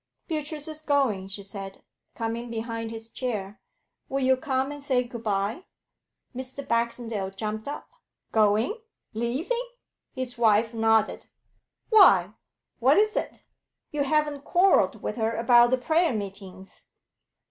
'Beatrice is going,' she said, coming behind his chair. 'Will you come and say good bye?' Mr. Baxendale jumped up. 'Going? Leaving?' His wife nodded. 'Why? What is it? You haven't quarrelled with her about the prayer meetings?'